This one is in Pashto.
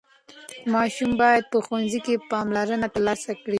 ماشوم باید په ښوونځي کې پاملرنه ترلاسه کړي.